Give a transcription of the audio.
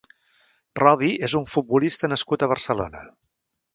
Robi és un futbolista nascut a Barcelona.